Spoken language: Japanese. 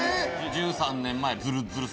１３年前。